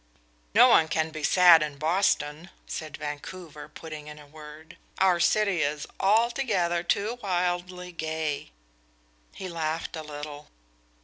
"No one can be sad in Boston," said Vancouver, putting in a word. "Our city is altogether too wildly gay." He laughed a little.